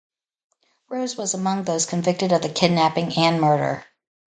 Rose was among those convicted of the kidnapping and murder.